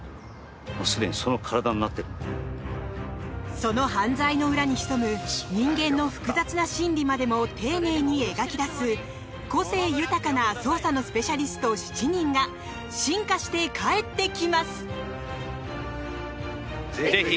その犯罪の裏に潜む人間の複雑な心理までも丁寧に描き出す個性豊かな捜査のスペシャリスト７人が進化して帰ってきます。